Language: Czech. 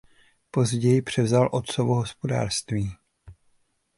Později převzal otcovo hospodářství.